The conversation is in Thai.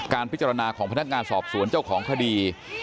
พิจารณาของพนักงานสอบสวนเจ้าของคดี